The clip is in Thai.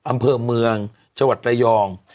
อำเภอเมืองจวดระยอง